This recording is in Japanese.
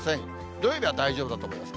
土曜日は大丈夫だと思います。